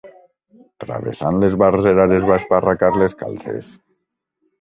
Travessant l'esbarzerar es va esparracar les calces.